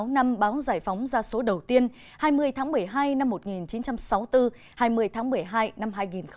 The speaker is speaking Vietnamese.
sáu năm báo giải phóng ra số đầu tiên hai mươi tháng một mươi hai năm một nghìn chín trăm sáu mươi bốn hai mươi tháng một mươi hai năm hai nghìn hai mươi